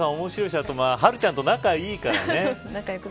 面白いし波瑠ちゃんと仲いいからね。